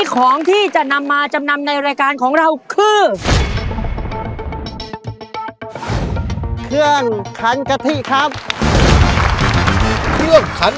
ขอบคุณครับ